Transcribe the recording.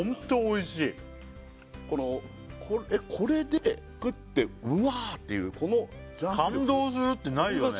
これはこのえっこれで食ってうわっていうこのジャンプ感動するってないよね？